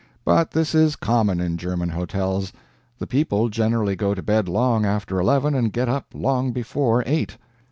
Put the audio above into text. But this is common in German hotels; the people generally go to bed long after eleven and get up long before eight.